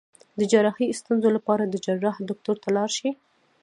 د جراحي ستونزو لپاره د جراح ډاکټر ته لاړ شئ